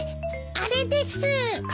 あれです。